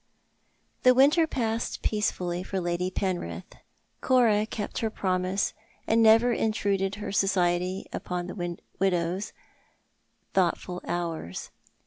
The winter passed peacefully for Lady Penrith. Cora kept her promise, and never intruded her society upon the widow's thoughtful hours.